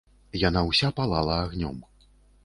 Яна ўся палала агнём.